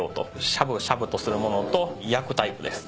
しゃぶしゃぶとする物と焼くタイプです。